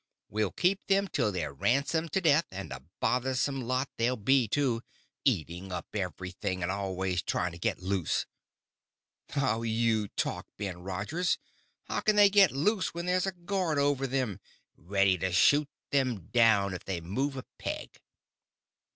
We'll keep them till they're ransomed to death; and a bothersome lot they'll be, too—eating up everything, and always trying to get loose." "How you talk, Ben Rogers. How can they get loose when there's a guard over them, ready to shoot them down if they move a peg?"